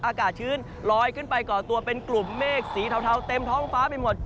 อากาศชื้นลอยขึ้นไปก่อตัวเป็นกลุ่มเมฆสีเทาเต็มท้องฟ้าไปหมด